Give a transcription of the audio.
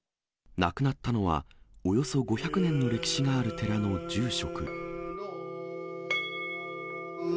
亡くなったのは、およそ５００年の歴史がある寺の住職。